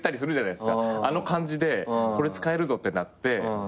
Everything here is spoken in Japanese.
あの感じでこれ使えるぞってなって。